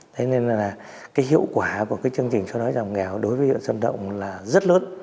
thế nên là cái hiệu quả của cái chương trình xóa đói giảm nghèo đối với huyện xuân động là rất lớn